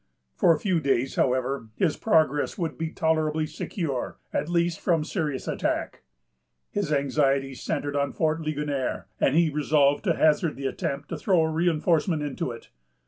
For a few days, however, his progress would be tolerably secure, at least from serious attack. His anxieties centred on Fort Ligonier, and he resolved to hazard the attempt to throw a reinforcement into it.